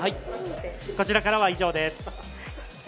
こちらからは以上です。